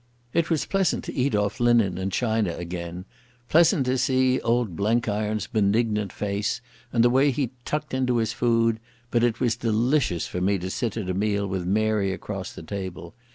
It was pleasant to eat off linen and china again, pleasant to see old Blenkiron's benignant face and the way he tucked into his food, but it was delicious for me to sit at a meal with Mary across the table.